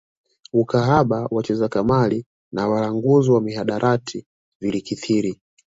Ukahaba wacheza kamali na walanguzi wa mihadarati vilikithiri